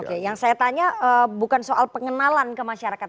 oke yang saya tanya bukan soal pengenalan ke masyarakat